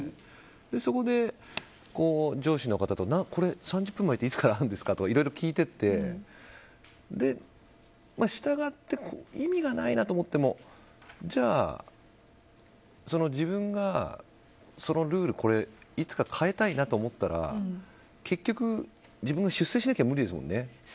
そこで、上司の方と３０分前からっていつからなんですかっていろいろ聞いて行って従って、意味がないなと思ってじゃあ、自分がそのルールいつか変えたいなと思ったら結局、自分が出世しなきゃ無理ですもんね。